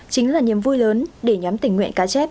chính là niềm vui lớn để nhóm tình nguyện cá chép